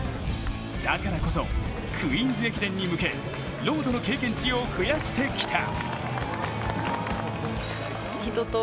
だからこそクイーンズ駅伝に向けロードの経験値を増やしてきた。